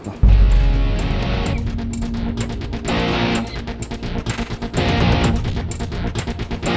aku mau nolak